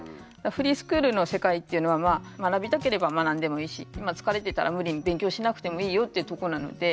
フリースクールの世界っていうのはまあ学びたければ学んでもいいし疲れてたら無理に勉強しなくてもいいよっていうとこなので。